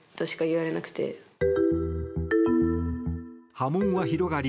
波紋は広がり